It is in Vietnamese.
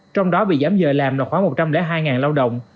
trong đó bị giảm giờ làm là khoảng một trăm linh hai lao động